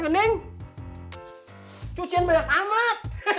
neng cucian banyak amat